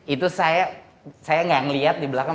itu saya gak ngeliat di belakang